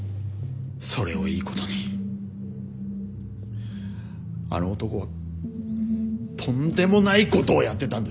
それをいいことにあの男はとんでもないことをやってたんです。